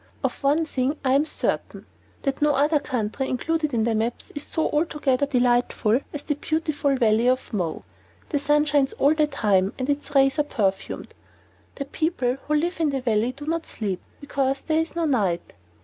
Of one thing I am certain: that no other country included in the maps is so altogether delightful as the Beautiful Valley of Mo. The sun shines all the time, and its rays are perfumed. The people who live in the Valley do not sleep, because there is no night.